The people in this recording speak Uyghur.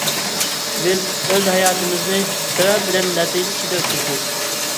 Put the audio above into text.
بىز ئۆز ھاياتىمىزنى سەۋەب بىلەن نەتىجە ئىچىدە ئۆتكۈزىمىز.